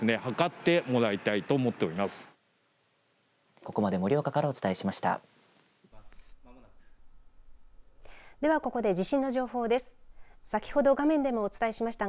ここまで盛岡からお伝えしました。